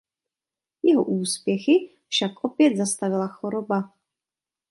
Jeho úspěchy však opět zastavila choroba.